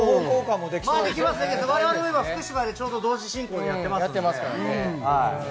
我々も福島で同時進行でやってます。